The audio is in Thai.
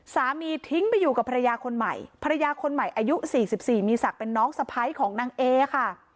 สามีทิ้งไปอยู่กับภรรยาคนใหม่ภรรยาคนใหม่อายุ๔๔มีศักดิ์เป็นน้องสะพ้ายของนางเอค่ะ